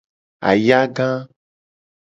Ayaga.